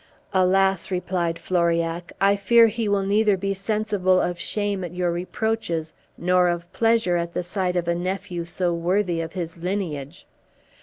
"Alas!" replied Floriac, "I fear he will neither be sensible of shame at your reproaches, nor of pleasure at the sight of a nephew so worthy of his lineage.